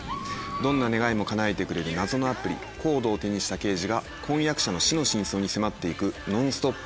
どんな願いもかなえてくれる謎のアプリＣＯＤＥを手にした刑事が婚約者の死の真相に迫っていくノンストップ